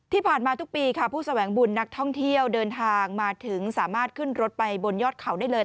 ที่ผ่านมาทุกปีค่ะผู้แสวงบุญนักท่องเที่ยวเดินทางมาถึงสามารถขึ้นรถไปบนยอดเขาได้เลย